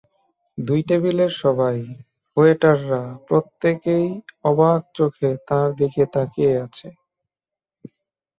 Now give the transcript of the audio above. দুই টেবিলের সবাই, ওয়েটাররা প্রত্যেকেই অবাক চোখে তাঁর দিকে তাকিয়ে আছে।